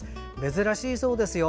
珍しいそうですよ。